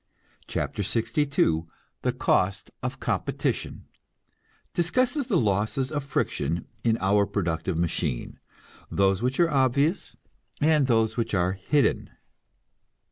CHAPTER LXII THE COST OF COMPETITION (Discusses the losses of friction in our productive machine, those which are obvious and those which are hidden.)